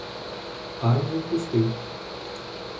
А не ў кусты.